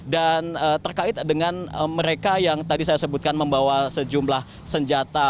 dan terkait dengan mereka yang tadi saya sebutkan membawa sejumlah senjata